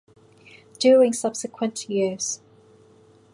During subsequent years.